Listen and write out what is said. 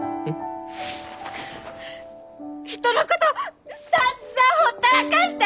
人のことさんざんほったらかして！